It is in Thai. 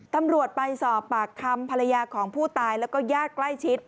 ตำรวจไปสอบปากคำภรรยาของผู้ตายแล้วก็ญาติใกล้ชิด